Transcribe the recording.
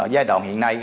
giai đoạn hiện nay